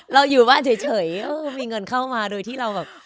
อยู่บ้านเฉยมีเงินเข้ามาโดยที่เราแบบ